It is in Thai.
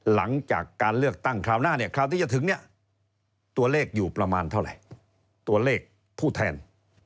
หลังจากการเลือกตั้งคราวหน้าเนี่ยคราวที่จะถึงเนี่ยตัวเลขอยู่ประมาณเท่าไหร่ตัวเลขผู้แทน